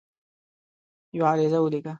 یوه عریضه ولیکله.